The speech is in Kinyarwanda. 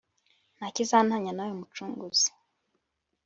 nta kizantanya nawe mucunguzi